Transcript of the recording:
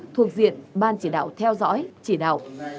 thuộc diện ban chỉ đạo theo dõi chỉ đạo